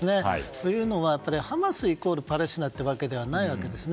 というのはハマスイコールパレスチナというわけではないわけですね。